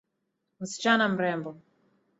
Msichana mrembo.